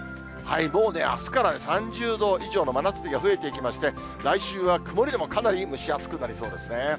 もうあすから３０度以上の真夏日が増えてきまして、来週は曇りでもかなり蒸し暑くなりそうですね。